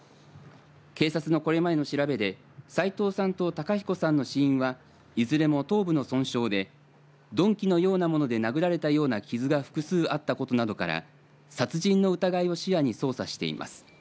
警察のこれまでの調べで齋藤さんと孝彦さんの死因はいずれも頭部の損傷で鈍器のようなもので殴られたような傷が複数あったことなどから殺人の疑いを視野に捜査しています。